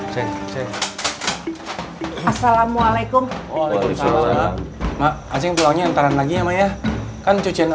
cek cek assalamualaikum apa kabar anak asinullangnya entaran lagi ya ya kan cucian